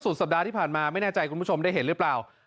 สัปดาห์ที่ผ่านมาไม่แน่ใจคุณผู้ชมได้เห็นหรือเปล่า